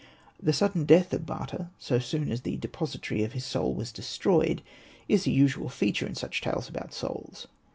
The sudden death of Bata, so soon as the depository of his soul was destroyed, is a usual feature in such tales about souls.